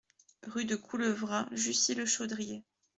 Rue du Coulevra, Jussy-le-Chaudrier